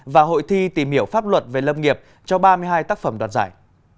và hội thi tìm hiểu pháp luật về lâm nghiệp cho ba mươi hai tác phẩm đoạt giải